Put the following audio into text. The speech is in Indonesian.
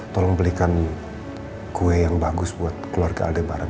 tolong belikan kue yang bagus buat keluarga aldebaran